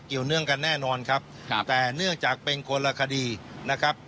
เนื่องกันแน่นอนครับแต่เนื่องจากเป็นคนละคดีนะครับ